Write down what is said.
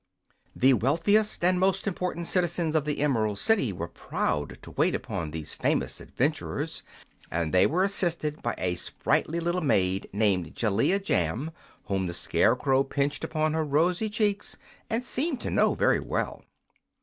The wealthiest and most important citizens of the Emerald City were proud to wait upon these famous adventurers, and they were assisted by a sprightly little maid named Jellia Jamb, whom the Scarecrow pinched upon her rosy cheeks and seemed to know very well.